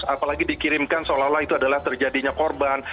apalagi dikirimkan seolah olah itu adalah terjadinya korban